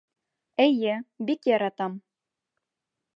Эйе, бик яратам